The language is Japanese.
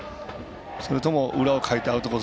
それとも、裏をかいてアウトコース